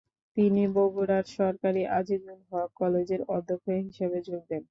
তিনি বগুড়ার সরকারি আজিজুল হক কলেজে অধ্যক্ষ হিসেবে যোগ দেন।